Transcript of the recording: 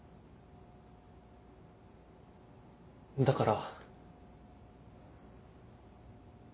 だから。